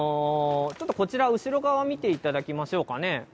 ちょっとこちら、後ろ側、見ていただきましょうかね。